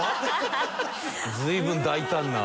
随分大胆な。